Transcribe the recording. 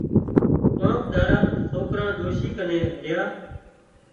ڪانڪ ۮاڙا سوڪران ڏوشِي ڪنين ريا